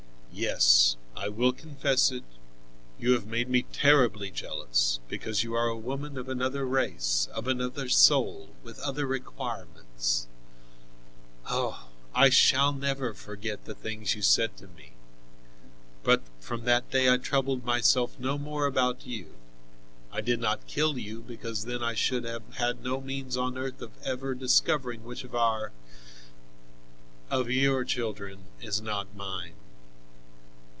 Yes, I will confess it, you have made me terribly jealous, because you are a woman of another race, of another soul, with other requirements. Oh! I shall never forget the things you said to me, but from that day I troubled myself no more about you. I did not kill you, because then I should have had no means on earth of ever discovering which of our—of your children is not mine.